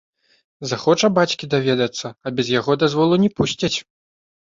Захоча бацькі даведацца, а без яго дазволу не пусцяць.